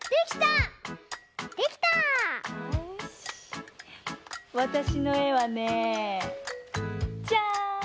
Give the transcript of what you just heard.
わたしのえはねじゃん！